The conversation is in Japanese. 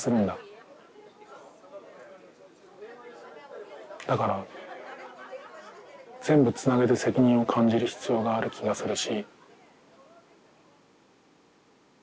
だから全部つなげる責任を感じる必要がある気がするし。